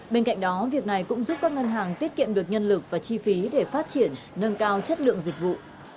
bên cạnh đó việc này cũng giúp các ngân hàng tiết kiệm được nhân lực và chi phí để phát triển nâng cao chất lượng dịch vụ